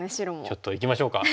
ちょっといきましょうか。